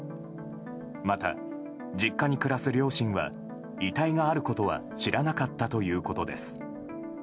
また、実家に暮らす両親は遺体があることは知らなかったということです。